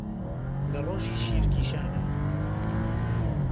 له ڕۆژی شیر کیشانێ